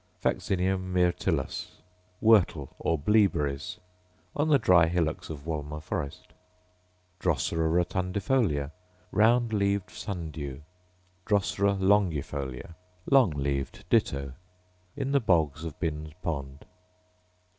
Vaccinium myrtillus, whortle, or bleaberries, — on the dry hillocks of Wolmer forest. Drosera rotundifolia, round leaved sun dew. Drosera longifolia, long leaved ditto. In the bogs of Bin's pond.